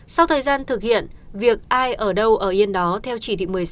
sau thời gian thực hiện việc ai ở đâu ở yên đó theo chỉ thị một mươi sáu